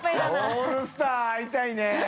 オールスター会いたいね。